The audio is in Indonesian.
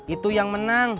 itu yang menang